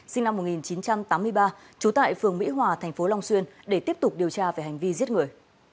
sinh năm một nghìn chín trăm tám mươi ba trú tại phường mỹ hòa thành phố long xuyên để tiếp tục điều tra về hành vi giết người